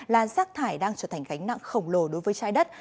là rác thải đang trở thành gánh nặng khổng lồ đối với trái đất